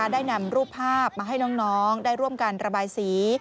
ได้นำรูปภาพมาให้น้องได้ร่วมกันระบายสี